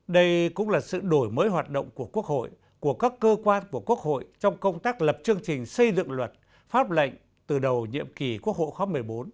đây cũng là sự đổi mới hoạt động của quốc hội của các cơ quan của quốc hội trong công tác lập chương trình xây dựng luật pháp lệnh từ đầu nhiệm kỳ quốc hội khóa một mươi bốn